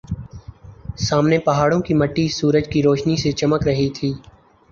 سامنے پہاڑوں کی مٹی سورج کی روشنی سے چمک رہی تھی